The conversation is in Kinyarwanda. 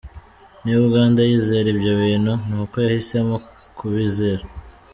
Niba Uganda yizera ibyo bintu, ni uko yahisemo kubizera.